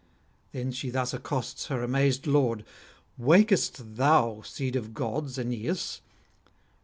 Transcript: Then she thus [228 261]accosts her amazed lord: 'Wakest thou, seed of gods, Aeneas?